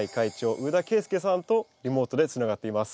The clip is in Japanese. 上田恵介さんとリモートでつながっています。